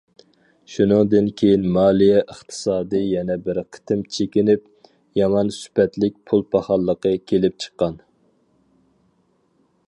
شۇنىڭدىن كېيىن مالىيە ئىقتىسادى يەنە بىر قېتىم چېكىنىپ، يامان سۈپەتلىك پۇل پاخاللىقى كېلىپ چىققان.